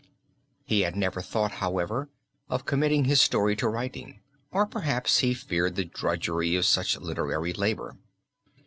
He had never thought, however, of committing his story to writing or perhaps he feared the drudgery of such literary labor.